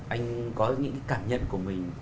anh có những cảm nhận của mình